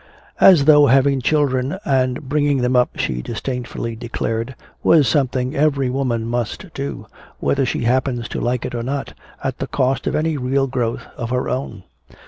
"As though having children and bringing them up," she disdainfully declared, "were something every woman must do, whether she happens to like it or not, at the cost of any real growth of her own!"